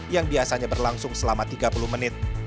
yang biasanya berlangsung selama tiga puluh menit